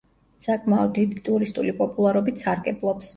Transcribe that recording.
საკმაოდ დიდი ტურისტული პოპულარობით სარგებლობს.